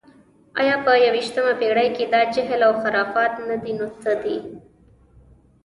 ایا په یویشتمه پېړۍ کې دا جهل و خرافات نه دي، نو څه دي؟